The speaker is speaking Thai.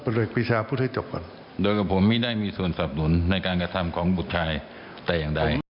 ดูกับผมไม่ได้มีส่วนสาปนุนในการกระทำของบุฏชาย